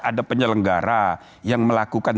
ada penyelenggara yang melakukan